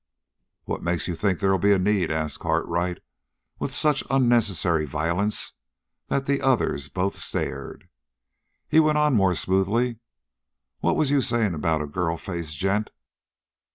"What makes you think they'll be a need?" asked Cartwright, with such unnecessary violence that the others both stared. He went on more smoothly: "What was you saying about a girl faced gent?"